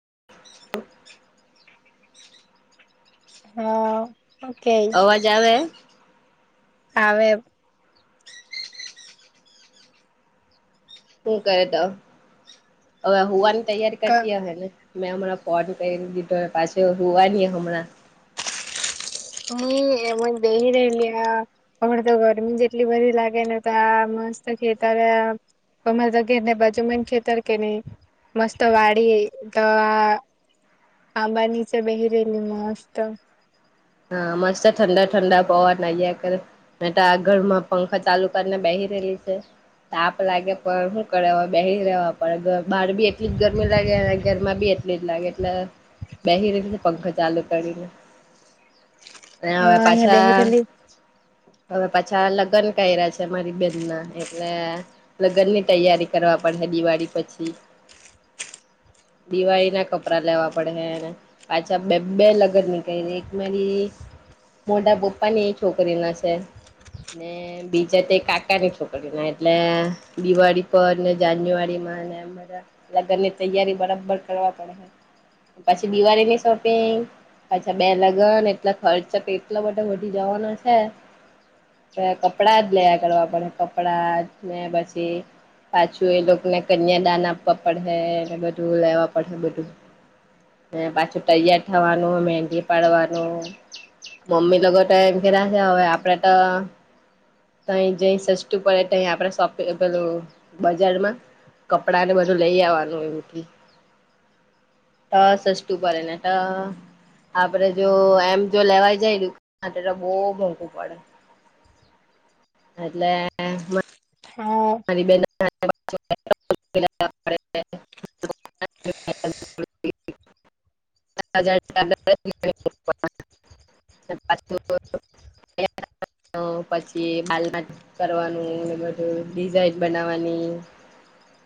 [inaudible] હા.. ઓકે અવાજ આવે. હા આવે. શું કરે તો. હવે હોવાની તૈયારી કરતી હ હને. મેં [unintelligible] હમારા ફોન દીધો પાછી હુવાની હમરા હ એમ જ બેહી રલી. આ હમને તો ગરમી જેટલી બધી લાગે ને તા મસ્ત ખેતરે આ અમારા તો ઘેરને બાજુ મ ખેર કે નહી. મસ્ત વાડી. તો આ આંબા નીચે છે. બહી રેવાની મસ્ત હા. મસ્ત ઠંડા-ઠંડા પવન આવ્યા કરે નહિતર આ ઘર માં પંખા ચાલુ કરીને બેસી રહેલી [unintelligible] છે તાપ લાગે, પણ શું કરે બેહી રહેવા પડે બાર બી એટલી ગરમી લાગે અને ઘરમાં બી એટલી જ લાગે. એટલે બેસી રહે પંખો ચાલુ કરીને. અને હા હવે અહિયાં બેહી પાછા.. રહેલી હવે પાછા લગ્ન કર્યા છે મારી બેનના. એટલે લગ્ન ની તૈયારી કરવા પડ દિવાળી પછી. [inaudible] દિવાળી ના કપડા લેવા પડે હને. પાછા બે-બે લગ્ન નીક મારી મોટા પપ્પાની છોકરીના છે. ને બીજા તે કાકા ની છોકરી ના. એટલે દિવાળી પરને જાન્યુઆરીમાં [unintelligible] ઘરની લગનની તૈયારી બરાબર કરવા પડે. પછી દિવાળીની શોપિંગ પછા બે લગ્નન એટલે ખર્ચા તો એટલા માટે વધી જવાના છે કપડા જ લેયા કરવા પડે કપડા ને પછી પાછું એ લોકોને કન્યાદાન આપવા પડે બધું લેવા પડે બધું હ પાછું તૈયાર થવાનું મેંદી પાડવાનું મમ્મી લોકો તો એમ કેશે હવે આપડે તો તહી જઈ સસ્તું પડે તહી આપડ સોપ પેલું બજારમાં કપડા ને બધું લઈ આવવાનું એમ કે હ સસતું પડે નહીતો આપડે જો એમ જો લેવાય જાય બહુ મોઘું પડે એટલે હા મારી બેન [unintelligible] [inaudible] [unintelligible] [inaudible] તો પછી બાલબાત કરવાનું એવુ બધું ડિઝઇન બનાવાની.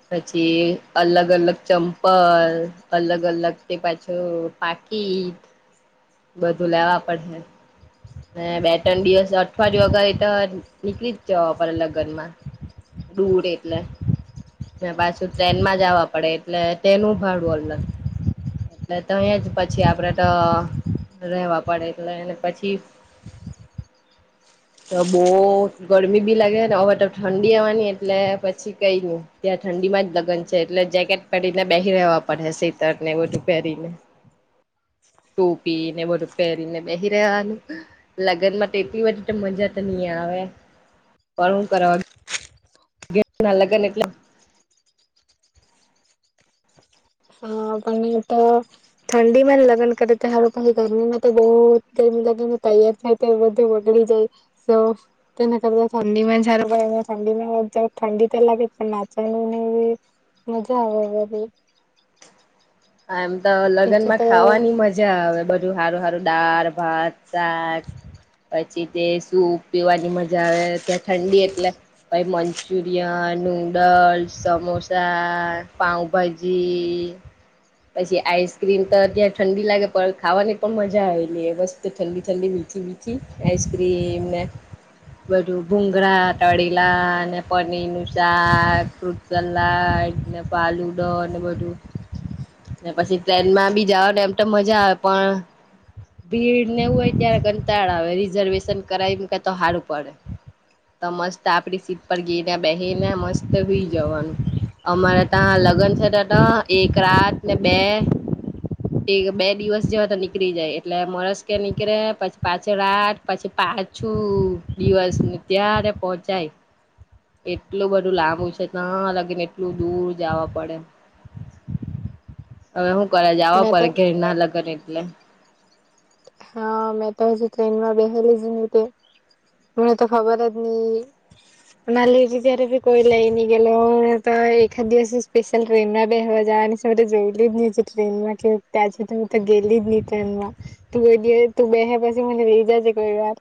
પછી અલગ અલગ ચંપલ અલગ અલગ તે પ જો પાકીટ બધું લેવા પડહે ને બે ત્રણ દિવસ અઠવાડયો ગઈ ત નીકળી જ જવા પડે લગનમાં દૂર એટલે ને પાછું ટ્રેનમાં જવા પડે એટલે તેનું ભાડુ અલ એટલે તો જ પછી આપડે તો રહેેવા પડે એટલે પછી [inaudible] તો બો ગરમી બી લાગેને હવે તો ઠંડી આવાની એટલે પછી કઈ ની ત્યાં ઠં ડી ના જ લગન છે એટલે જેકેટ પહેરીને બેહી રહેવા પડે સેકેટ ને બધું પહેરીને [inaudible] ટોપી ને બધું પહેરી ને બેહી રેવાનું લગન માં એટલી બઘી તો મજા તો ની હવે પણ હું કરવા [unintelligible] લગન એટલે હા પરંતુ તો ઠંડીમાં લગન કરે તો હારુ પહી ગરમીમાં તો બો ગરમી લગે. ને તૈયાર થાય તો એ બધું બગડી જાય ફોર્સ તેના કરતા ઠંડીમાં જ હારું પડે ઠંડીમાં જ ઠંડી તો લાગે પણ નાચવાનીને એવી મજા આવે [inaudible] એમ તો બીજું લગનમાં તો ખાવાની મજા આવે બ હારુ હારું ડાર, ભાત, શાક પછી તે સૂપ પીવાની મજા આવે તે ઠંડી એટલે પહી મંચુરિય નૂડલ્સ, સમોસા, પાંઉભાજી પછી આઈસક્રીમ તો અત્યારે ઠંડી લાગે પણ ખાવાની પણ મજા આવેલી બસ તે ઠંડી ઠંડી [unintelligible] આઈસક્રીમ ને બધું ભુંંગરા તળેલા અને પનીર નું શાક ફટલા [inaudible] ને પાલુંદો ને બધું ને પછી ટ્રેનમાં બી જાઓ તો એમ તો મજા આવે પણ ભીડ નેવું હોય ત્યારે કંટાળ આવે રિઝર્વેશન કરાવી મુકે તો હારું પડે. તો મસ્ત આપડી સીટ પર ગીને બેહીને મસ્ત હુઈ જવાનું અમારે ત્યાં લગન છે ત તા એક રાત ને બે એ બે દિવસ જેવા તો નીકળી જાય એટલે મોણસ કે નીકળે પછી પાછળ રાત પછી પા પાછું દિવસ ન ત્યારે પોહોંચાય. એટલું બધું લાંબુ છે તા લગીન એટલું દૂર જવા પડે હવે હું કરે જાવા મેં તો પડે ઘેર ના લગન એટલે હા મેં તો હજુ ટ્રેનમાં બેહેલી જ ની તે મને તો ખબર જ ની મારે અત્યાર સુધી કોઈ લઇ ની ગેલો ત એખાદ દિવસે સ્પેશલ ટ્રેનમાં બેહવા જ વાની શે ત જોયલી જ ની છે ટ્રેનમાં કેવુંક તા શે ત ગેલી જ ની ટ્રેનમાં તુ એ દિવસ દીવ બેહે પસી હું લેઇ જાજે કોઈ વાર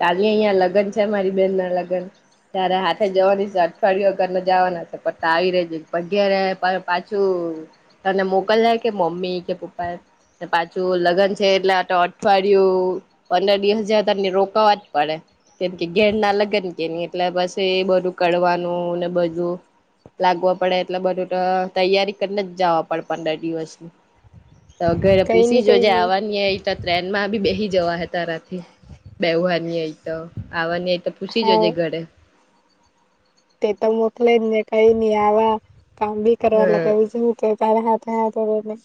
તારી અહિયાં લગન છે મારી બેનના લગન ત્યારે હાથે જવાની છે અઠવાડિયા કરને જવાના છે પતા આવઈ રે છે અગિયારે પણ પછુ તને મોકલે કે મમ્મી કે પપ્પા પાછું લગન છે એટલે આ તો અઠવાડિયું પંદર દિવસ જાય તો રો કરવા પડે કેમ કે ઘેર ના લગન કે ને એટલે બસ એ બધું કરવાનું ને બધું લાગવો પડે એટલે બધું તો તૈયારી કરીને જ જવા પડે પંદર દિવસની. તો ઘરે કઈ પૂછી ની કઈ જોજે ની આવવાની એ તો ટ્રેન માં બી બેહી જવાહે તારાથી બેહવાની હોય તો આવાની હોય તો પૂછી જજે હા ઘડે તે તો મોકલે જ ની કઈ ની આવા કામ બી કરવા હમ લગાવે છે તો તારા હાથે તવારમાં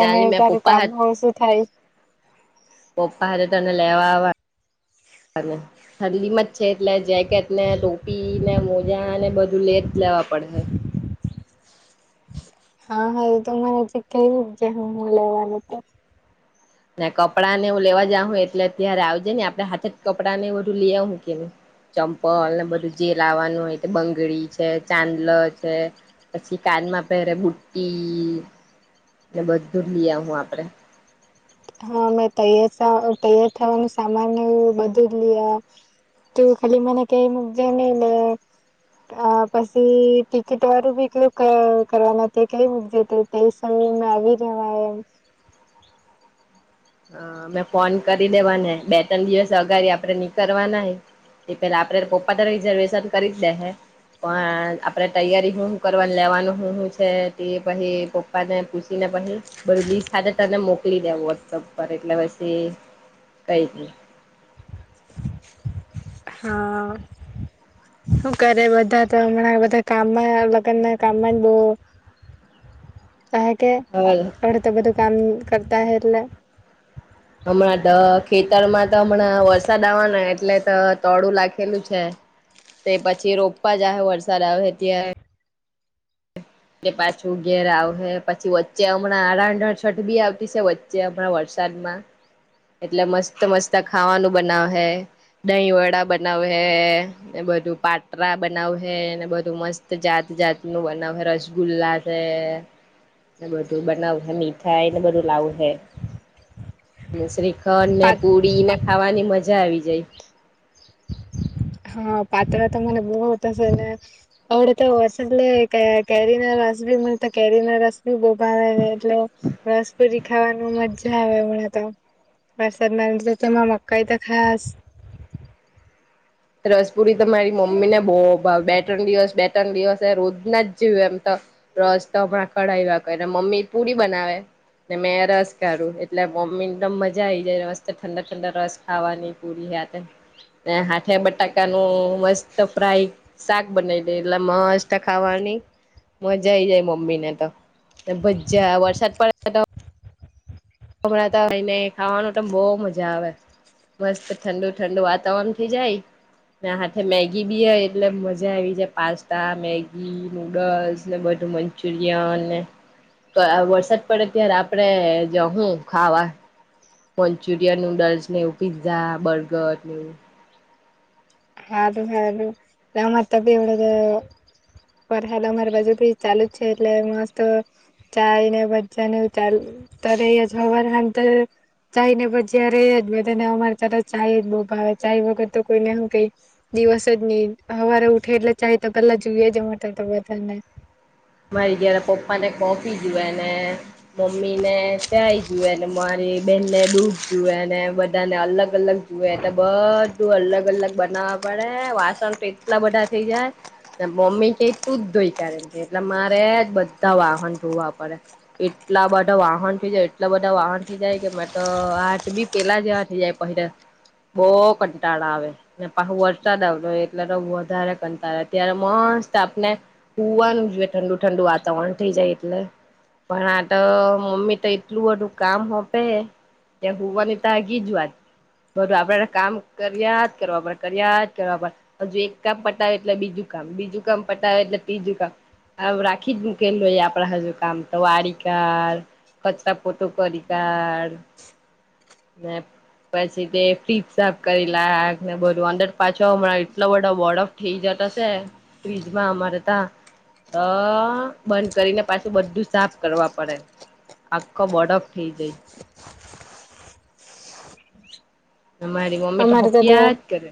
ચાલી એ [unintelligible] મેં તાર પપ્પા કામ હાથ હો શું થાય પપ્પા હાથે તને લેવા આવા થરલીમાં જ છે, એટલે જેકેટ ને ટોપી ને મોજા ને બધું લે લેવા પડે હૈ. હા, હા તો મને જે કે ગ હું લેવાનું તો ના કપડાં ને હું લેવા જઉં હું એટલે અત્યારે આવજે ને આપણે હાથે જ કપડાંને એ બધું લે આવું કે ની ચંપલ ને બધું જે લાવવાનું હોય તે બંગડી છે, ચાંદલ છે. પછી કાનમાં પહેરે બુટ્ટી એટ બધું લઈ આવું આપડે. હા, મેં તૈયાર તૈયાર થવાનું સામાનવું એવું બધું લઈ આવા. તેની થેલી મને કઈ મુકજે ની. અ પછી ટિકિટ વાળું બી કયું કરવાના તે કઈ મુકજે જતી તે હિસાબે મે આવી જવા એમ. હ, અમે ફોન કરી લેવાને બે ત્રણ દિવસ અગારી આપડે નીકળવાના હોય. એ પેલા આપડે પપ્પા તો રિઝર્વેશન કરી જ દે હે. પણ આપડે તૈયારી શું કરવાની લેવાનું શું શું છે તે પછી પપ્પા ને પૂછીને? પછી બું લીસ્ટ ખા તને મોકલી દેવ વોટ્સઅપ ઉપરએટલે પછી કાંઈ નહિ. હા. શું કરે બધા તો હમણાં બધા કામમાં લગ્નના કામમાં જ બો કાહે કે હ આપણેે તો બધું કામ કરતા હ એટલે હમણાં તો ખેતર માં તો હમણાં વરસાદ આવવાના એટલે તો તોડું લખેલું છે. તે પછી રોપવા જહે વરસાદ આવે ત્યારે એ પાછું ઘેર આવે પછી વચ્ચે હમણાં અ રાંધન છઠ બી આવતી છે વચ્ચે હમણા વરસાદ શ્રાધ માં એટલે મસ્ત મસ્ત ખાવાનું બનાવે હે દહીં વડા બનાવે હે. બધું પાટરા બનાવ હે ને બધું મસ્ત જાત જાતનું બનાવે રસગુલ્લા છે. બધું બનાવ હે મીઠાઈ એને બધું લાવું હે. [unintelligible] શ્રીખંડ ને પાત પુડીને ખાવાની મજા આવી જાય. [unintelligible] હા, પાતરા તો મને બોવ ભાવતા છે. અવડે તો વરસાદ એટલે કેરીના રસ બી મળતા કેરી ના રસ બી બહુ ભાવ છે, એટલે રસપરી ખાવાનું મજા આવે. હમણાં તો, વરસાદમાં તો એમાં મકાઈ તો ખાસ રસપુરી તો મારી મમ્મી ને બહુ ભાવ બે ત્રણ દિવસ બે ત્રણ દિવસ રોજ ના જવ એમ તો રસ તો આપણા ખડાવવા કને મમ્મી પુરી બનાવે ને મેં રસ કાઢું એટલે મમ્મી એકદમ મજા આઈ જાય મસ્તે ઠંડા ઠંડા રસ ખાવાની પૂરી સાથે [unintelligible] છે, બટાકા નું મસ્ત ફ્રાય શાક બનાવી દે એટલે મસ્ત ખાવાની મજા આઈ જાય મમ્મી ને તો ભજા વરસાદ પડે તો ભમણાતા હોય ને ખાવાનું તો બઉ મજા આવે. મસ્ત ઠંડુ ઠંડુ વાતાવરણ થઇ જાય. હાથે મેગી બી હ એટલે મજા આવી જાય પાસ્તા મેગી નૂડલ્સ ને બધુ મંચુરિયન ને વરસાદ પડે ત્યારે આપડે જહું ખાવા મંચુરિયન, નૂડલ્સ ને એવું પિઝઝા, બર્ગર ને એવું. હા, હાું એમત ભી એવડદ વરહાદ અમારી બાજુ ભી ચાલુ જ છે, એટલે મસ્ત ચાય ને ભજીયાને ચાલ ત જવાર ખ ચાય ને પણ જયારે જ બધા ને અમારે ત્યારે ચાાય જ બહુ ભાવે ચાય વગર તો કોઈને હું કઈ દિવસ જ નહી સવારે ઉઠે એટલે ચાહે તો પેલા જોઈએ જ અમારે ત્યાં તો બધાને. મારી જયારે પપ્પા ને મોફી જો ને મમ્મી ને ચાય જુએ મારી બેન ને ડૂધ જોએ ને બધાને અલગ ગ અલગ જુએ તો બધું અલગ અલગ બનાવવા પડે વાસ તો એટલા બધા થઈ જાય મમ્મી કેટું જ દોઈ એટલે મારે જ બધા વાહન જોવા પડે એટલા બધા વાહન થ એટલા બધા વાહન જાય કે તો આઠ બી પેલા જ થઈ જાય પલા બહ કંટાળા આવે ને પાછું વરસાદ આવતો હોય, એટલે તો વધારે કંટાળા ત્યારે મ સ્ત આપને હોુવાનું જોએ ઠંડુ ઠંડુ વાતાવરણ થઈ જાય એટલે પણ આ તો મમ્મી તો એટલું બધું કામ સપે ત્યા હોવાની તકી જ વાત બરોબ આપડે કામ કર્યા જ કરવા પણ કર્યા જ કરવા પણ હજુ એક કામ પતાાવ એટલે બીજું ક બીજું કામ પટવે એટલે ત્રીજું કામ હ રાખી જ મુકેલય આપડે હજુ કામ તો વાડીક કચરા પોટું કરી કાઢ પછી તે ફપફ કરી લને બધું અંદર પાછો હ એટલો બધો વોર્ડ ઓફ થઇ જ શે ફ્રીજમાં અમારે ત્યા હ બંધ કરીને પાછું બધું સાફ કરવા પડે, આખ બડક થઈ જાય મારી મમ્મી તો અમારે ત્યાં ફપ્યા જ કરે,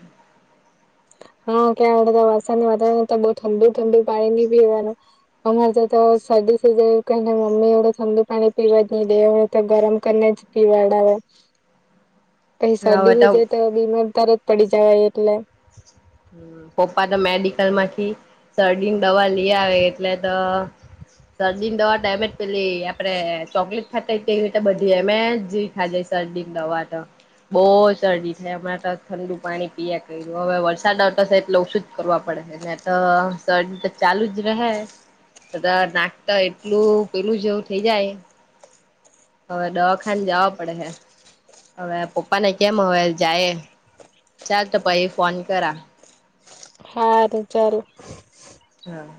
હા, ક્યાંડે તો વરસાદ વાતાવરણ તો બઉ ઠંડુ ઠંડુ પાણી નહી પીવાનું અમારે સદી સ એ કે મમ્મી એડ ઠડુ પાણી પીવા જ નહીં દે એ તો ગરમ કરીને જ પીવાડાવ હો પઈ શરદી હો જાય તો બીમાર તાર જ પડી જવા એટલે પપ્પા તો મેડિકલ માંથી શરદીને દવા લઈ આવે એટલે તો સર્દી દવા ટાઈમે. પેલી આપણે ચોકલેટ ખાતા તેવી રીતે બધી એમેવી ખા જાય શરદીની દવા તો. બહુ શરદી થાય હમણાં ત ઠંડુ પાણી પીએ કરી હવે વરસા સાડાટશે એટલે ઓછું જ કરવા પડે ને તો સ તો ચાલુ જ રહે. બા નાક તો એટલું પેલું જેવું થઇ જાય. હવે દવાખાને જવા પડે હે. હવે પપ્પાને કેમ હવે જાય ચાલ તો પછ ફોન કરા. હાર ચાલ. હમ્મ